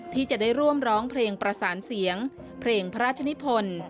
ที่จะได้ร่วมร้องเพลงประสานเสียงเพลงพระราชนิพล